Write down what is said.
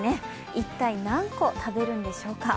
一体、何個食べるんでしょうか。